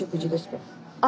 あ！